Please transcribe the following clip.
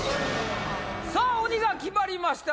さぁ鬼が決まりました